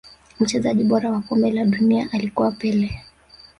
Mchezaji bora wa kombe la dunia alikuwa pele